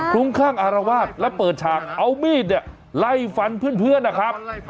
พรุ่งข้างอารวาสแล้วเปิดฉากเอามีดไล่ฝันเพื่อนนะครับ